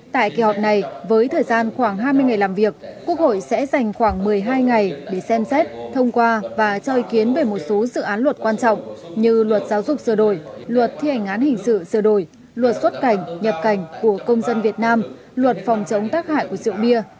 tại kỳ họp này với thời gian khoảng hai mươi ngày làm việc quốc hội sẽ dành khoảng một mươi hai ngày để xem xét thông qua và cho ý kiến về một số dự án luật quan trọng như luật giáo dục sửa đổi luật thi hành án hình sự sửa đổi luật xuất cảnh nhập cảnh của công dân việt nam luật phòng chống tác hại của rượu bia